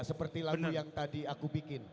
seperti lagu yang tadi aku bikin